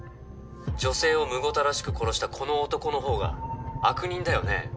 女性をむごたらしく殺したこの男の方が悪人だよね？